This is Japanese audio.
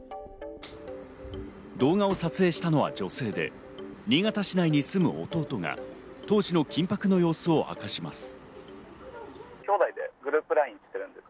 動画を撮影したのは女性で、新潟市内に住む弟が当時の緊迫の様子を明かします。